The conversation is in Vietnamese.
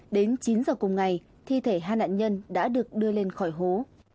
đến chín giờ cùng ngày thi thể hai nạn nhân đã được đưa lên khỏi hố